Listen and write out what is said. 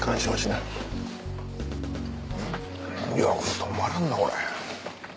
いや止まらんなこれ。